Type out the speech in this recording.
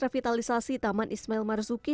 pembangunan dan kesehatan taman ismail marzuki